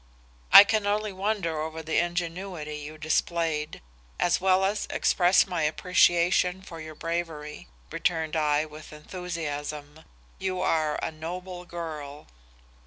"'I can only wonder over the ingenuity you displayed, as well as express my appreciation for your bravery,' returned I with enthusiasm. 'You are a noble girl.